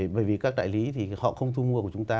bởi vì các đại lý thì họ không thu mua của chúng ta